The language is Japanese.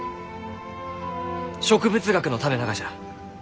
植物学のためながじゃ！